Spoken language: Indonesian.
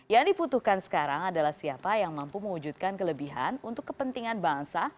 yang diputuhkan sekarang adalah siapa yang mampu mewujudkan kelebihan untuk kepentingan bangsa